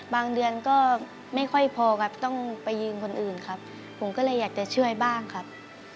เดือนก็ไม่ค่อยพอครับต้องไปยืนคนอื่นครับผมก็เลยอยากจะช่วยบ้างครับ